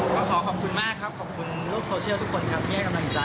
ก็ขอขอบคุณมากครับขอบคุณโลกโซเชียลทุกคนครับที่ให้กำลังใจ